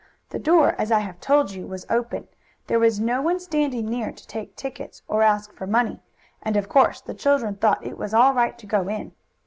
The door, as I have told you, was open, there was no one standing near to take tickets, or ask for money, and of course the children thought it was all right to go in.